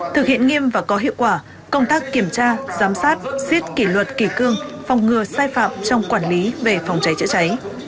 thực hiện nghiêm và có hiệu quả công tác kiểm tra giám sát xiết kỷ luật kỳ cương phòng ngừa sai phạm trong quản lý về phòng cháy chữa cháy